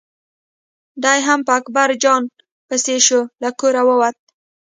دی هم په اکبر جان پسې شو له کوره ووت.